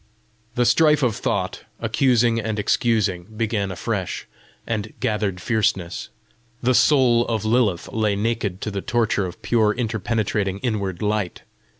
The strife of thought, accusing and excusing, began afresh, and gathered fierceness. The soul of Lilith lay naked to the torture of pure interpenetrating inward light.